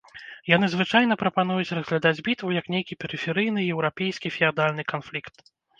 Яны звычайна прапануюць разглядаць бітву як нейкі перыферыйны еўрапейскі феадальны канфлікт.